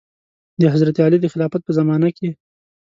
د حضرت علي د خلافت په زمانه کې.